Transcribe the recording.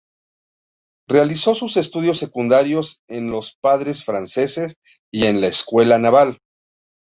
Realizó sus estudios secundarios en los Padres Franceses y en la Escuela Naval.